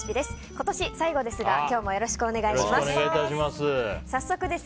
今年最後ですが、今日もよろしくお願いします。